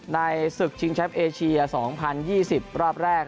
ศึกชิงแชมป์เอเชีย๒๐๒๐รอบแรก